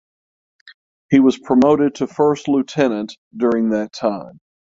He was promoted to first lieutenant during that time.